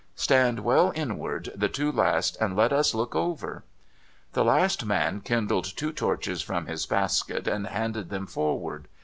* Stand well inward, the two last, and let us look over.' The last man kindled two torches from his basket, and handed them forward.